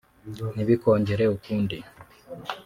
Ntibikongere ukundi